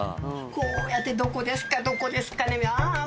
こうやってどこですかどこですかねあぁ